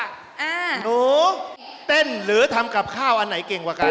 หนูเต้นหรือทำกับข้าวอันไหนเก่งกว่ากัน